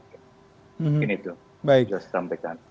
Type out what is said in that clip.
begini tuh saya sampaikan